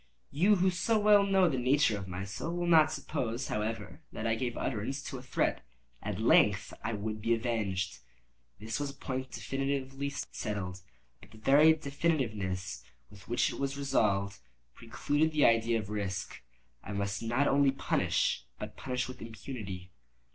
You, who so well know the nature of my soul, will not suppose, however, that I gave utterance to a threat. At length I would be avenged; this was a point definitively settled—but the very definitiveness with which it was resolved, precluded the idea of risk. I must not only punish, but punish with impunity.